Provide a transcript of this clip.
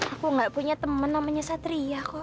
aku gak punya teman namanya satria kok